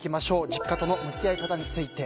実家との向き合い方について。